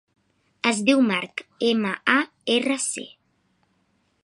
Es diu Marc: ema, a, erra, ce.